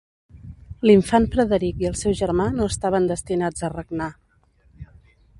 L'infant Frederic i el seu germà no estaven destinats a regnar.